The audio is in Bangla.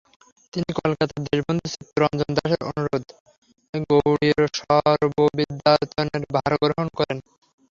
তিনি কলকাতায় দেশবন্ধু চিত্তরঞ্জন দাশের অনুরোধে গৌড়ীয় সর্ববিদ্যায়তনের ভার গ্রহণ করেন।